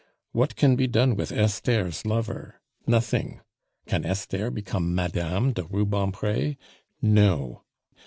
What can be done with Esther's lover? Nothing. Can Esther become Madame de Rubempre? No.